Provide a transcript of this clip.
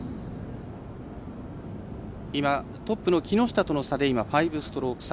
トップの木下との差で５ストローク差。